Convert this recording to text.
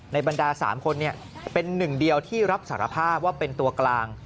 บรรดา๓คนเป็นหนึ่งเดียวที่รับสารภาพว่าเป็นตัวกลาง